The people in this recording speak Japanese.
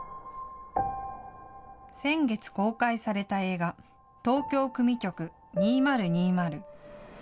先月、公開された映画、東京組曲２０２０。